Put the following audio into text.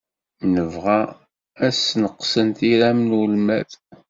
Nebɣa ad sneqsen tiram n ulmad.